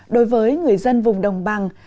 đối với người dân vùng đồng bằng